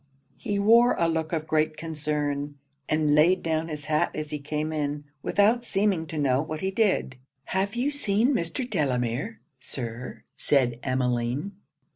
He wore a look of great concern; and laid down his hat as he came in, without seeming to know what he did. 'Have you seen Mr. Delamere, Sir?' said Emmeline.